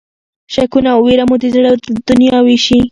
شکونه او وېره مو د زړه دنیا وېشي.